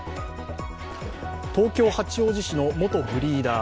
東京・八王子市の元ブリーダー